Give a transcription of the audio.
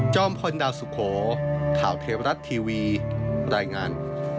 พลดาวสุโขข่าวเทวรัฐทีวีรายงาน